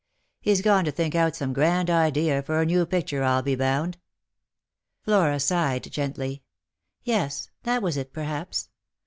He's gone to think out some grand idea for a new picture, I'll be bound." Flora sighed gently. Yes ; that was it perhaps.